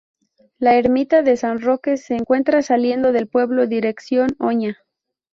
La Ermita de San Roque se encuentra saliendo del pueblo dirección Oña.